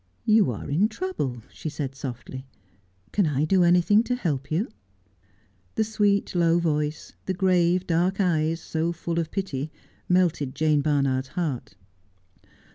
' You are in trouble,' she said softly. ' Can I do anything to help you 1 ' The sweet, low voice, the grave, dark eyes, so full of pity, melted Jane Barnard's heart.